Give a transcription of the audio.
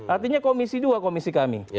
artinya komisi dua komisi kami